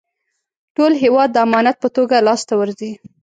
ټول هېواد د امانت په توګه لاسته ورځي.